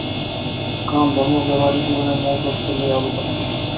কারণ ধর্ম ব্যবহারিক জীবনের মূলতত্ত্ব লইয়া আলোচনা করে।